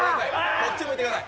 こっち向いてください。